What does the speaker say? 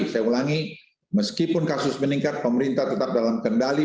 saya ulangi meskipun kasus meningkat pemerintah tetap dalam kendali